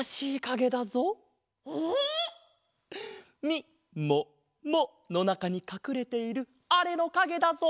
みもものなかにかくれているあれのかげだぞ！